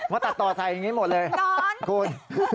มาตัดต่อใส่อย่างนี้หมดเลยคุณ